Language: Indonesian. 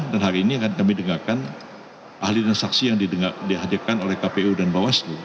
dan hari ini akan kami dengarkan ahli dan saksi yang dihadirkan oleh kpu dan bawaslu